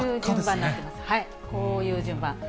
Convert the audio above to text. こういう順番。